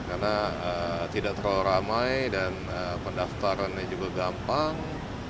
karena tidak terlalu ramai dan pendaftarannya juga gampang